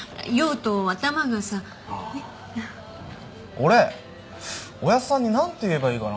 俺おやっさんになんて言えばいいかな？